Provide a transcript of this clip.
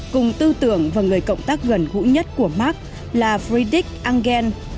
cùng tư tưởng và người cộng tác gần gũ nhất của mark là friedrich engel